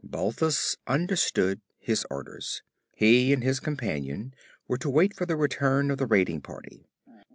Balthus understood his orders; he and his companion were to wait for the return of the raiding party.